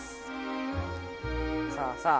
さあさあ。